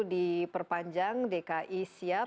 diperpanjang dki siap